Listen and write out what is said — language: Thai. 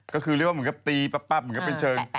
ก็คือเรียกว่ามันก็ตีปั๊บมันก็เป็นเชิง